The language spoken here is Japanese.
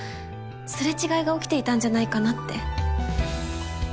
擦れ違いが起きていたんじゃないかなって。